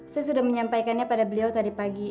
saya sudah menyampaikannya pada beliau tadi pagi